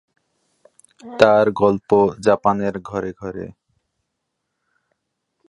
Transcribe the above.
তাঁর গল্প জাপানের ঘরে ঘরে।